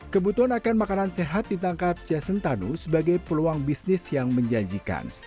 kebutuhan akan makanan sehat ditangkap jason tanu sebagai peluang bisnis yang menjanjikan